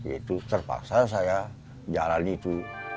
itu terpaksa saya jalani itu